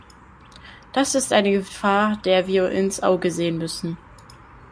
Das ist eine Gefahr, der wir ins Auge sehen müssen.